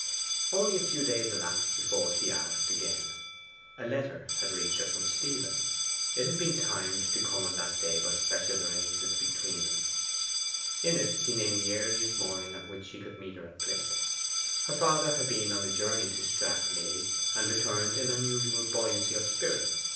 Only a few days elapsed before she asked again. A letter had reached her from Stephen. It had been timed to come on that day by special arrangement between them. In it he named the earliest morning on which he could meet her at Plymouth. Her father had been on a journey to Stratleigh, and returned in unusual buoyancy of spirit.